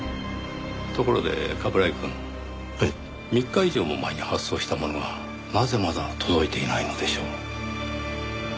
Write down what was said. ３日以上も前に発送したものがなぜまだ届いていないのでしょう？